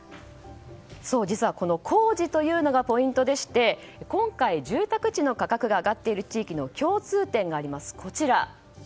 実は、この工事というのがポイントでして今回、住宅地の価格が上がっている地域の共通点があります。